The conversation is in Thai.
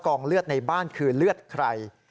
เลือดในบ้านคือเลือดใคร